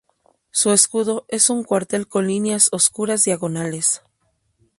Su escudo es un cuartel con líneas oscuras diagonales.